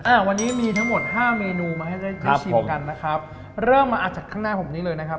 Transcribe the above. ค่ะวันนี้มีทั้งหมด๕เมนูมาให้ไฟชิมกันเริ่มมามาออกจากข้างหน้าผมนี้เลยนะครับ